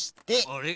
あれ？